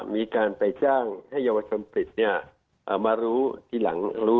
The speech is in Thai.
มีการไปจ้างให้เยาวชนปริศมารู้ทีหลังรู้